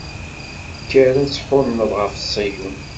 Kker ad tḥunneḍ ɣef Ṣiyun.